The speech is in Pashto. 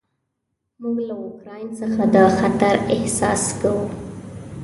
موږ له اوکراین څخه د خطر احساس کوو.